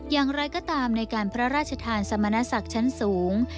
อย่างไรก็ตามในการพระราชทานสมณศักดิ์ชั้นสูง